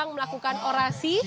yang melakukan orasi